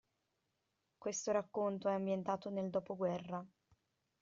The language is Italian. Questo racconto è ambientato nel dopoguerra.